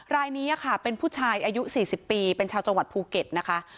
รายนี้ค่ะเป็นผู้ชายอายุ๔๐ปีเป็นชาวจังหวัดภูเก็ตนะคะ